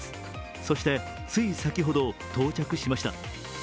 そしてつい先ほど到着しました。